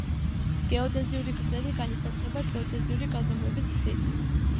გეოდეზიური გრძედი განისაზღვრება გეოდეზიური გაზომვების გზით.